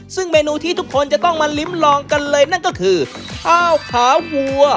ซึ่งเมนูที่ทุกคนจะต้องมาลิ้มลองกันเลยนั่นก็คือข้าวขาวัว